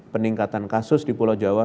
peningkatan kasus di pulau jawa